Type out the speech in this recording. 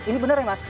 ini bener ya mas